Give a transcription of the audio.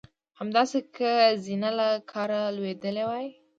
همداسې که زینه له کاره لوېدلې وای.